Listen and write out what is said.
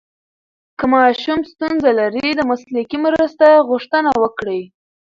که ماشوم ستونزه لري، د مسلکي مرسته غوښتنه وکړئ.